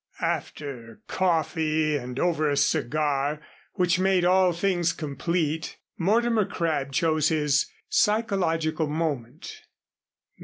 After coffee and over a cigar, which made all things complete, Mortimer Crabb chose his psychological moment.